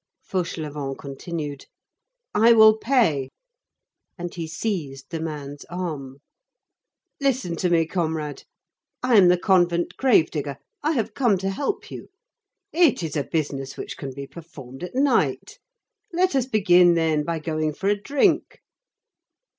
Fauchelevent continued. "I will pay." And he seized the man's arm. "Listen to me, comrade. I am the convent grave digger, I have come to help you. It is a business which can be performed at night. Let us begin, then, by going for a drink."